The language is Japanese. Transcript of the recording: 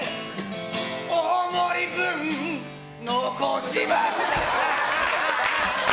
大盛り分残しました。